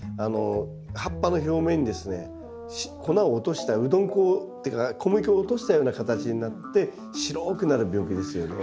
葉っぱの表面にですね粉を落としたうどん粉っていうか小麦粉を落としたような形になって白くなる病気ですよね。